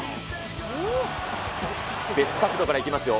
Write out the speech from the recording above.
別角度からいきますよ。